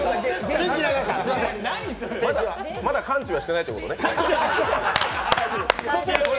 まだ完治はしてないってことね。